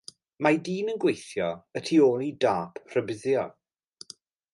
Mae dyn yn gweithio y tu ôl i dâp rhybuddio.